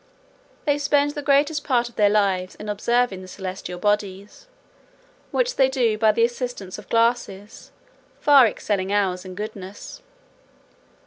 They spend the greatest part of their lives in observing the celestial bodies, which they do by the assistance of glasses, far excelling ours in goodness.